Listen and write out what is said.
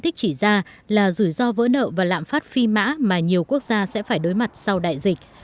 phân tích chỉ ra là rủi ro vỡ nợ và lạm phát phi mã mà nhiều quốc gia sẽ phải đối mặt sau đại dịch